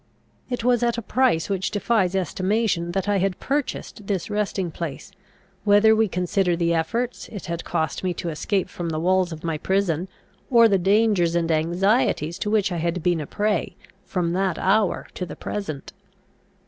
It was at a price which defies estimation that I had purchased this resting place; whether we consider the efforts it had cost me to escape from the walls of my prison, or the dangers and anxieties to which I had been a prey, from that hour to the present.